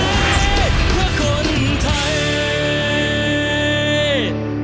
เราจะเชียร์บนทะเล